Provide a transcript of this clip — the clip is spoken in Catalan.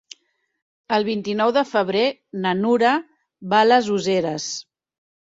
El vint-i-nou de febrer na Nura va a les Useres.